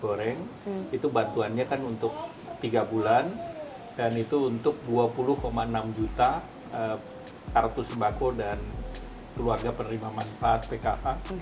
goreng itu bantuannya kan untuk tiga bulan dan itu untuk dua puluh enam juta kartu sembako dan keluarga penerima manfaat pkh